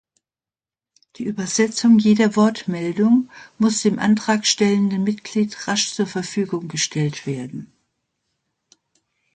Die Übersetzung jeder Wortmeldung muss dem Antrag stellenden Mitglied rasch zur Verfügung gestellt werden.